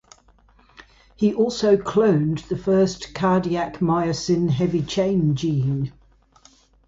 He also cloned the first cardiac myosin heavy chain gene.